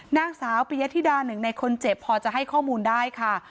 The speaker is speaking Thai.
นางสาวปียธิดาหนึ่งในคนเจ็บพอจะให้ข้อมูลได้ค่ะ